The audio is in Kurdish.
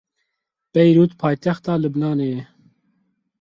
Beyrûd paytexta Libnanê ye.